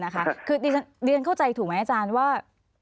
คือเรียนเข้าใจถูกไหมอาจารย์ว่า